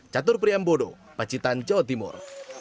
catur priambodo pacitan jawa timur